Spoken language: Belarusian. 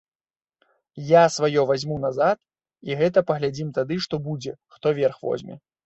Я сваё вазьму назад, і гэта паглядзім тады, што будзе, хто верх возьме.